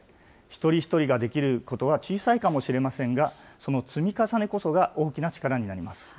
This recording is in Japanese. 一人一人ができることは小さいかもしれませんが、その積み重ねこそが大きな力になります。